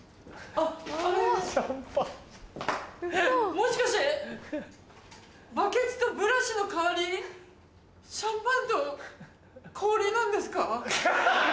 もしかしてバケツとブラシの代わりにシャンパンと氷なんですか？